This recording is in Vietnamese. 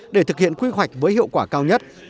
để thực hiện quy hoạch với hiệu quả cao nhất